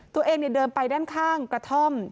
ตัวเองเดินไปด้านข้างกระท่อม